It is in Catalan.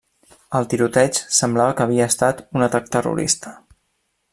El tiroteig semblava que havia estat un atac terrorista.